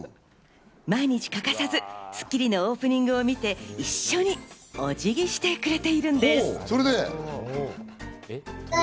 毎日欠かさず『スッキリ』のオープニングを見て、一緒にお辞儀をしてくれているんです。